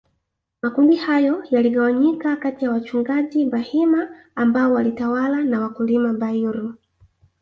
Makundi hayo yaligawanyika katiya wachungaji Bahima ambao walitawala na wakulima Bairu